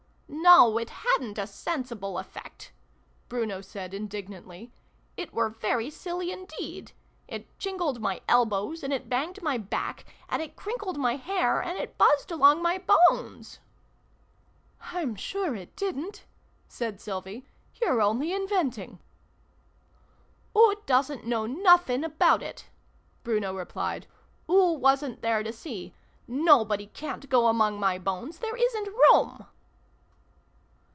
" No, it hadn't a sensible effect !" Bruno said indignantly. " It were very silly indeed. It jingled my elbows, and it banged my back, and it crinkled my hair, and it buzzed among my bones!" xxi] THE PROFESSOR'S LECTURE. 341 "I'm sure it didrit!" said Sylvie. "You're only inventing !"" Oo doosn't know nuffin about it !" Bruno replied. " Oo wasn't there to see. Nobody ca'n't go among my bones. There isn't room